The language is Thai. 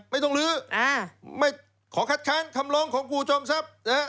ไม่ต้องลื้อไม่ขอคัดค้านคำร้องของครูจอมทรัพย์นะฮะ